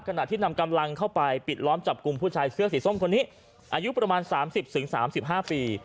ขณะที่นำกำลังเข้าไปปิดล้อมจับกลุ่มผู้ชายเสื้อสีส้มคนนี้อายุประมาณ๓๐๓๕ปี